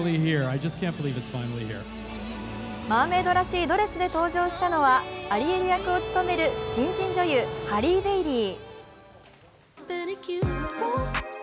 マーメイドらしいドレスで登場したのはアリエル役を務める新人女優、ハリー・ベイリー。